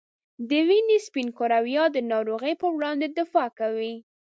د وینې سپین کرویات د ناروغۍ په وړاندې دفاع کوي.